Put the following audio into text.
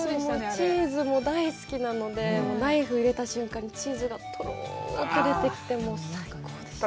チーズも大好きなので、ナイフ入れた瞬間にチーズがとろっと出てきて、もう最高でした。